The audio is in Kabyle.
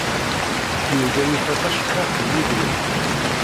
Yurga yufa tacekkaṛt n yidrimen.